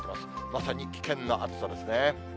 まさに危険な暑さですね。